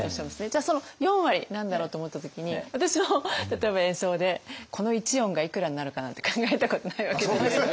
じゃあその４割何だろうと思った時に私も例えば演奏でこの１音がいくらになるかなって考えたことないわけじゃないですか。